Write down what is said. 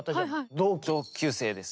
同級生です。